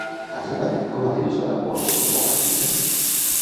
Ha treballat com a revisora ortotipogràfica?